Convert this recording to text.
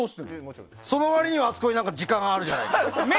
その割には、あそこに時間があるじゃないか。